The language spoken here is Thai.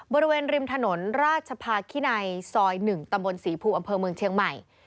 บริเวณริมถนนราชภาคินัยซอย๑ตำบลศรีภูอำเภอเมืองเชียงใหม่